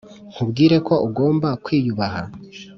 nkubwire ko ugomba kwiyubaha